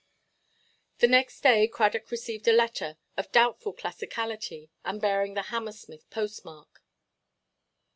The next day, Cradock received a letter, of doubtful classicality, and bearing the Hammersmith post–mark.